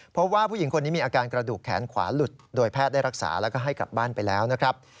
เพราะว่าผู้หญิงคนนี้มีอาการกระดูกแขนขวาหลุดโดยแพทย์ได้รักษาแล้วก็ให้กลับบ้านไปแล้วนะครับ